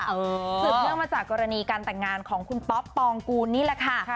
สืบเนื่องมาจากกรณีการแต่งงานของคุณป๊อปปองกูลนี่แหละค่ะ